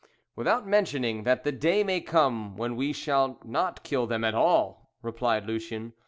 "Without mentioning that the day may come when we shall not kill them at all!" replied Lucien.